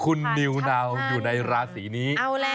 คุณนิวนาวอยู่ในราศีนี้